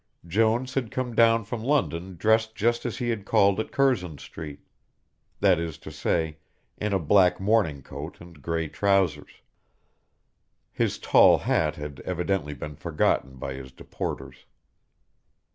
Jones had come down from London dressed just as he had called at Curzon Street. That is to say in a black morning coat and grey trousers. His tall hat had evidently been forgotten by his deporters.